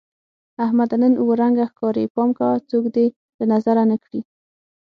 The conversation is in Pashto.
احمده! نن اووه رنگه ښکارې. پام کوه څوک دې له نظره نه کړي.